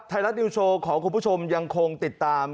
ไทยรัฐนิวโชว์ของคุณผู้ชมยังคงติดตาม